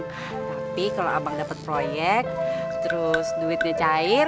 tapi kalau abang dapat proyek terus duitnya cair